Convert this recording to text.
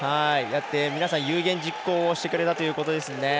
皆さん、有言実行をしてくれたということですね。